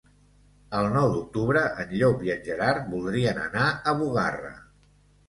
El nou d'octubre en Llop i en Gerard voldrien anar a Bugarra.